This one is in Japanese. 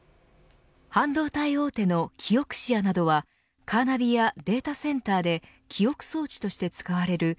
半導体大手のキオクシアなどはカーナビやデータセンターで記憶装置として使われる